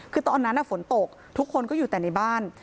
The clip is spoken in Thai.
คือตอนนั้นฝนตกทุกคนก็อยู่แต่ในบ้าน